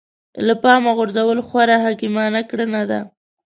له پامه غورځول خورا حکيمانه کړنه ده.